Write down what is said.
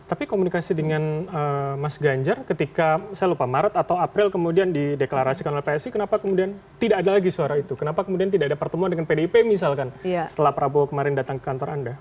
tapi komunikasi dengan mas ganjar ketika saya lupa maret atau april kemudian dideklarasikan oleh psi kenapa kemudian tidak ada lagi suara itu kenapa kemudian tidak ada pertemuan dengan pdip misalkan setelah prabowo kemarin datang ke kantor anda